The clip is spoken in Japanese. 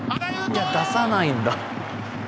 いや出さないんだ。